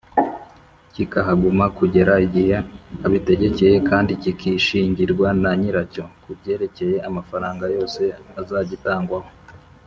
kikahaguma kugera igihe abitegekeye kandi kikishingirwa na nyiracyo Kubyerekeye amafaranga yose azagitangwaho